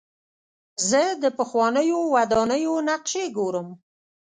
زه د پخوانیو ودانیو نقشې ګورم.